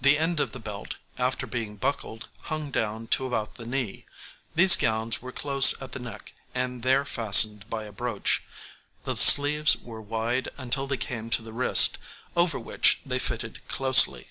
The end of the belt, after being buckled, hung down to about the knee. These gowns were close at the neck, and there fastened by a brooch; the sleeves were wide until they came to the wrist, over which they fitted closely.